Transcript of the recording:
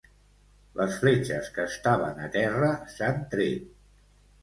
Les fletxes que estaven a terra s'han tret.